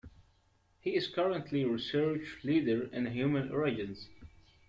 He is currently Research Leader in Human Origins.